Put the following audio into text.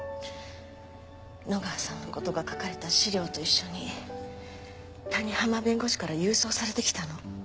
野川さんの事が書かれた資料と一緒に谷浜弁護士から郵送されてきたの。